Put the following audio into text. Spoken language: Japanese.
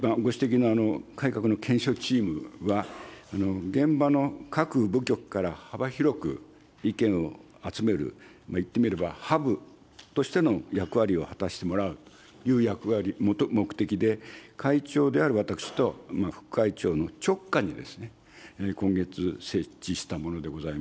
今ご指摘の改革の検証チームは、現場の各部局から幅広く意見を集める、いってみればハブとしての役割を果たしてもらうという役割、目的で、会長である私と副会長の直下に今月設置したものでございます。